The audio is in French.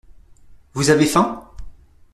Vous avez faim?